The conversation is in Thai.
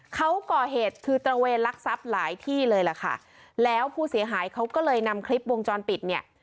เขาก่อเหตุคือตระเวนลักทรัพย์หลายที่เลยล่ะค่ะแล้วผู้เสียหายเขาก็เลยนำคลิปวงจรปิดเนี่ย